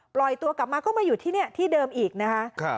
ปล่อยตัวกลับมาก็มาอยู่ที่นี่ที่เดิมอีกนะคะ